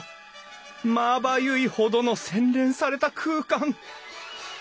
まばゆいほどの洗練された空間。